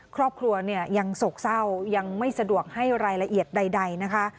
ครอบครัวเนี่ยยังโศกเศร้ายังไม่สะดวกให้รายละเอียดใดนะคะ